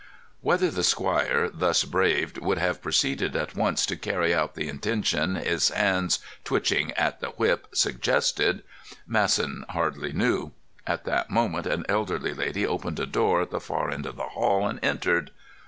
Whether the squire, thus braved, would have proceeded at once to carry out the intention his hands, twitching at the whip, suggested, Masson hardly knew. At that moment an elderly lady opened a door at the far end of the hall and entered.